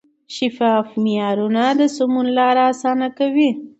شفاف معیارونه د سمون لار اسانه کوي.